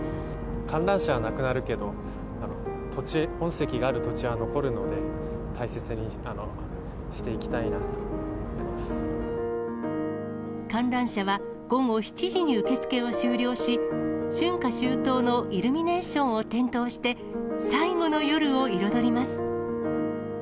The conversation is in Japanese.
観覧車はなくなるけど、本籍がある土地は残るので、大切にしていきたいなって思って観覧車は、午後７時に受付を終了し、春夏秋冬のイルミネーションを点灯して、最後の夜を彩ります。